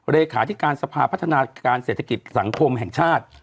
เลขาธิการสภาพัฒนาการเศรษฐกิจสังคมแห่งชาติ